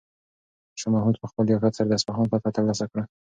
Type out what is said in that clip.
شاه محمود په خپل لیاقت سره د اصفهان فتحه ترلاسه کړه.